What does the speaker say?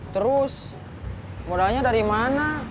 terus modalnya dari mana